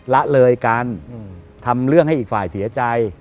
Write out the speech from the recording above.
ละเลยกันทำเรื่องให้อีกฝ่ายเสียใจ